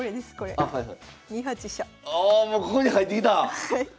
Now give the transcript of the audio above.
おもうここに入ってきた！